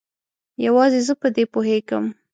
یوازې زه په دې پوهیږم